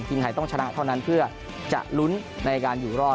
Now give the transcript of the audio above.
ทีมไทยต้องชนะเท่านั้นเพื่อจะลุ้นในการอยู่รอด